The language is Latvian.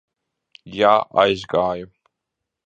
Jā, aizgāju.